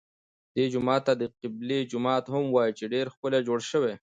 دې جومات ته د قبلې جومات هم وایي چې ډېر ښکلی جوړ شوی.